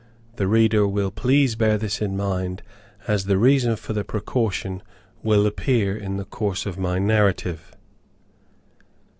The reader will please bear this in mind, as the reason for the precaution will appear in the course of my narrative.